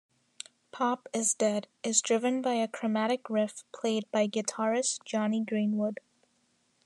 "Pop Is Dead" is driven by a chromatic riff played by guitarist Jonny Greenwood.